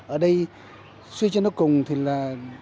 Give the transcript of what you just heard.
ở đây suy chân nó cùng thì là